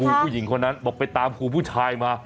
ผู้หญิงคนนั้นบอกไปตามครูผู้ชายมา